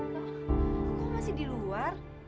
kok masih di luar